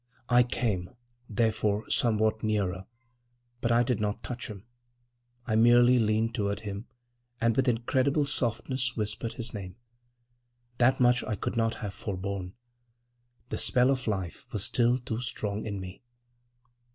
I came, therefore, somewhat nearer—but I did not touch him. I merely leaned toward him and with incredible softness whispered his name. That much I could not have forborne; the spell of life was still too strong in me.